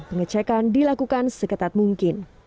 pengecekan dilakukan seketat mungkin